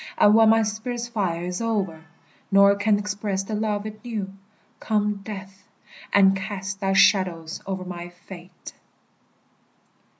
And when my spirit's fire is o'er, Nor can express the love it knew, Come, Death, and cast thy shadows o'er my fate!